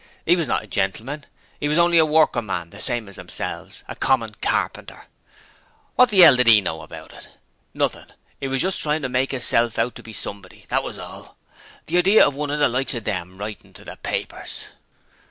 ''E was not a Gentleman! 'E was only a workin' man the same as themselves a common carpenter! What the 'ell did 'e know about it? Nothing. 'E was just trying to make 'isself out to be Somebody, that was all. The idea of one of the likes of them writing to the papers!'